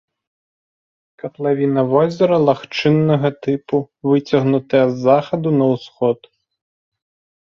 Катлавіна возера лагчыннага тыпу, выцягнутая з захаду на ўсход.